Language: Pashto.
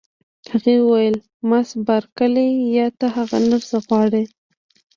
هغې وویل: مس بارکلي، ایا ته هغه نرسه غواړې؟